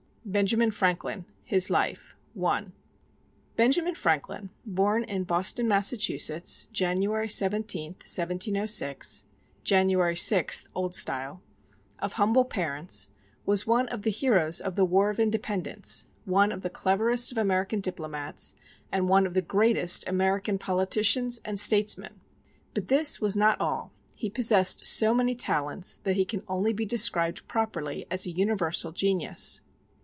1723] BENJAMIN FRANKLIN His Life ONE Benjamin Franklin, born in Boston, Massachusetts, January 17, 1706 (January 6, Old Style), of humble parents, was one of the heroes of the War of Independence, one of the cleverest of American diplomats, and one of the greatest American politicians and statesmen. But this was not all: he possessed so many talents that he can only be described properly as a universal genius.